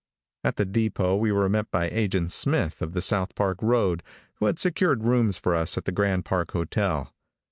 At the depot we were met by Agent Smith, of the South Park road, who had secured rooms for us at the Grand Park hotel.